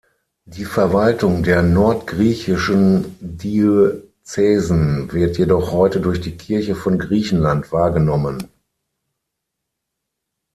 Die Verwaltung der nordgriechischen Diözesen wird jedoch heute durch die "Kirche von Griechenland" wahrgenommen.